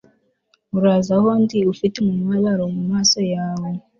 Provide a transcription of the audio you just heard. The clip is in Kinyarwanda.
uraza aho ndi ufite umubabaro mumaso yawe